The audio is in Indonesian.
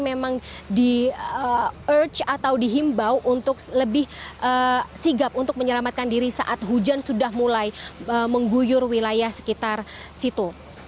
memang di urch atau dihimbau untuk lebih sigap untuk menyelamatkan diri saat hujan sudah mulai mengguyur wilayah sekitar situ